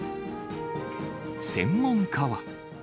専門家は。